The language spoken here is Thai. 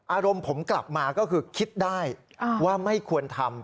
อารมณ์ผมกลับมาก็คือคิดได้ว่าไม่ควรทำ